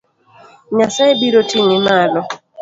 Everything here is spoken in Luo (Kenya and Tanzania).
Nyasaye biro ting'i malo.